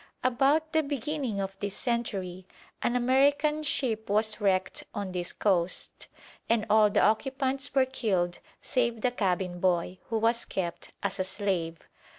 About the beginning of this century an American ship was wrecked on this coast, and all the occupants were killed save the cabin boy, who was kept as a slave.